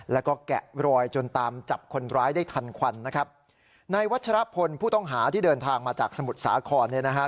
แล้วก็แกะรอยจนตามจับคนร้ายได้ทันควันนะครับนายวัชรพลผู้ต้องหาที่เดินทางมาจากสมุทรสาครเนี่ยนะฮะ